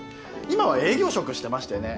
今は営業職してましてね。